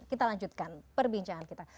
kita lanjutkan perbincangan kita